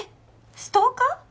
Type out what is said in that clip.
ストーカー？